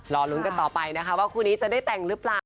รอลุ้นกันต่อไปนะคะว่าคู่นี้จะได้แต่งหรือเปล่า